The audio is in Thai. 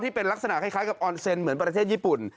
เป็นลักษณะคล้ายกับออนเซนเหมือนประเทศญี่ปุ่น